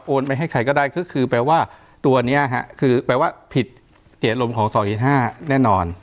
ไปให้ใครก็ได้ก็คือแปลว่าตัวนี้คือแปลว่าผิดเจตลมของ๒๕แน่นอน